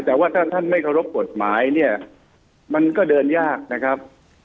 แต่ว่าถ้าท่านไม่เคารพกฎหมายเนี่ยมันก็เดินยากนะครับ